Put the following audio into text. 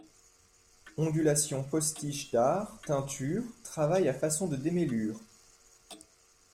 Ondulations-postiches d'art, teintures, travail à façon de démêlures.